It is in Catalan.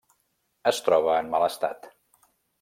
Es troba en mal estat.